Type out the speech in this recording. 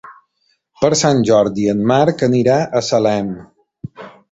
Per Sant Jordi en Marc anirà a Salem.